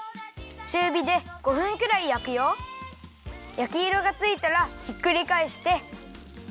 やきいろがついたらひっくりかえして。